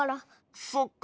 そっか。